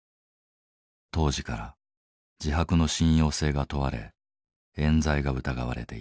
当時から自白の信用性が問われえん罪が疑われていた。